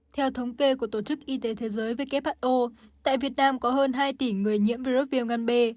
theo thống kê của tổ chức y tế thế giới who tại việt nam có hơn hai tỷ người nhiễm virus viêm gan b